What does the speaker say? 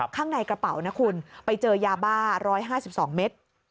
ข้างในกระเป๋านะคุณไปเจอยาบ้าร้อยห้าสิบสองเมตร